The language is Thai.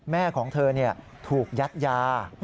แม่ของเธอถูกยัดยา